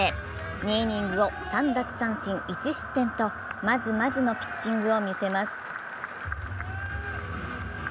２イニングを３奪三振１失点とまずまずのピッチングを見せます。